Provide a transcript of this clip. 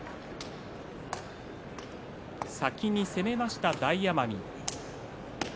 先に攻めました、大奄美。